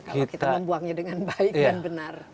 kalau kita membuangnya dengan baik dan benar